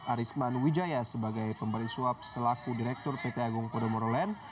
arisman wijaya sebagai pemberi suap selaku direktur pt agung podomoro land